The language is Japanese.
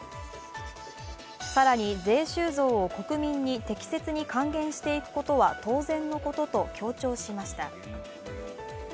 更に税収増を国民に適切に還元していくことは当然のことと強調しました。